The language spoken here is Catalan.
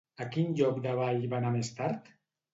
A quin lloc d'avall va anar més tard?